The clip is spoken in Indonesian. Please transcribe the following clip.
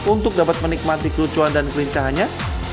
untuk dapat menikmati kelucuan dan kelincahannya